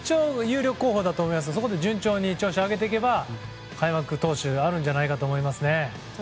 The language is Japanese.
有力候補だと思いますがそこで順調に調子を上げていけば開幕投手があるんじゃないかと思いますね。